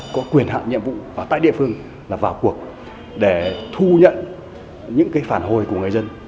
có quyền hạn nhiệm vụ và tại địa phương là vào cuộc để thu nhận những phản hồi của người dân